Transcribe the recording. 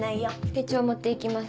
手帳持って行きます。